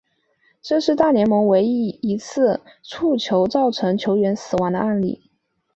这是大联盟唯一一次触身球造成球员死亡的案例。